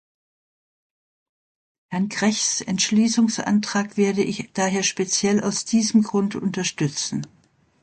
Herrn Grechs Entschließungsantrag werde ich daher speziell aus diesem Grund unterstützen.